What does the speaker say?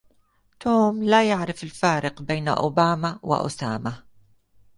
توم لا يعرف الفارق بين اوباما واسامة